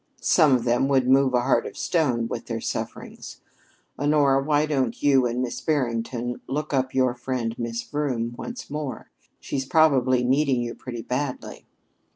Some of them would move a heart of stone with their sufferings. Honora, why don't you and Miss Barrington look up your friend Miss Vroom once more? She's probably needing you pretty badly."